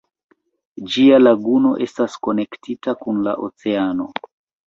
Ĝia laguno estas konektita kun la oceano.